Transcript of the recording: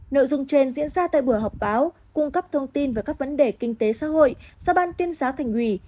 nội dung trên diễn ra tại bữa họp báo cung cấp thông tin về các vấn đề kinh tế xã hội do ban tuyên giá thành quỷ